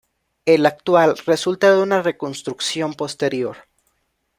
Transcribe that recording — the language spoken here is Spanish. El actual resulta de una reconstrucción posterior.